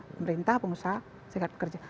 pemerintah pengusaha sedekat pekerja